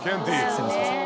すいません。